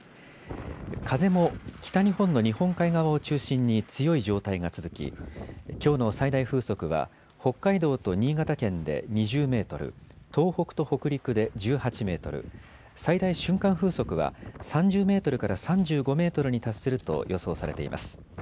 風も北日本の日本海側を中心に強い状態が続ききょうの最大風速は北海道と新潟県で２０メートル、東北と北陸で１８メートル、最大瞬間風速は３０メートルから３５メートルに達すると予想されています。